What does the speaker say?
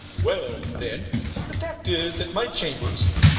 Well, then, the fact is, that my chambers, No.